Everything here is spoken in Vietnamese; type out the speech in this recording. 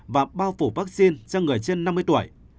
và bao phủ vaccine cho người trên năm mươi tuổi